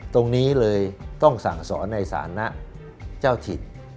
ตรงนี้เลยต้องสั่งสอนในศาลนะเจ้าถิ่น